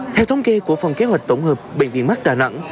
theo thống kê của phòng kế hoạch tổng hợp bệnh viện mắt đà nẵng